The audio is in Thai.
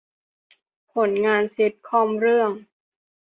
ผลงานซิตคอมเรื่อง